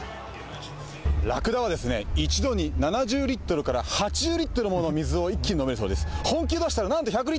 ラクダは一度に７０リットルから８０リットルもの水を一気に飲めるそうです。